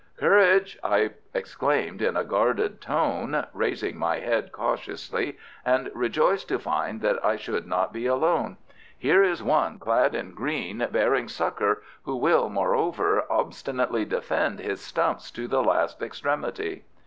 "Courage!" I exclaimed in a guarded tone, raising my head cautiously and rejoiced to find that I should not be alone. "Here is one clad in green bearing succour, who will, moreover, obstinately defend his stumps to the last extremity."